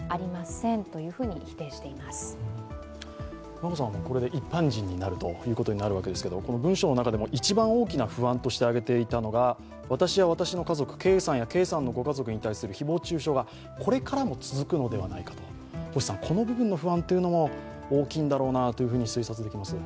眞子さんはこれで一般人になるということですけれどもこの文書の中でも一番大きな不安としてあげていたのが私や私の家族、圭さんや圭さんのご家族に対する誹謗中傷がこれからも続くのではないかと、この部分の不安も大きいんだろうなと推察できます